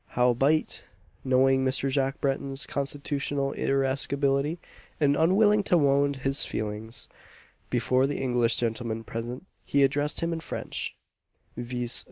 Howbeit, knowing Mr. Jacques Breton's constitutional irascibility, and unwilling to wound his feelings before the English gentlemen present, he addressed him in French, viz.